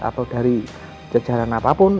atau dari jajaran apapun